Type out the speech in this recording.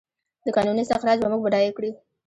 د کانونو استخراج به موږ بډایه کړي؟